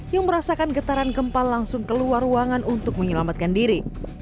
yang merasakan getaran gempa langsung keluar ruangan untuk menyelamatkan diri